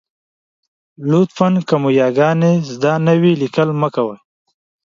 لطفاً! که مو یاګانې زده نه وي، لیکل مه کوئ.